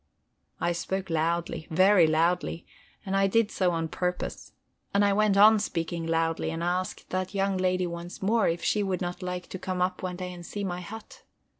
I spoke loudly, very loudly, and I did so on purpose. And I went on speaking loudly, and asked that young lady once more if she would not like to come up one day and see my hut.